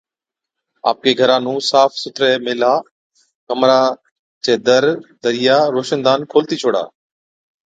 آپڪي گھرا نُون صاف سُٿرَي ميهلا، ڪمران چَي در، دريا روشندان کولتِي ڇوڙا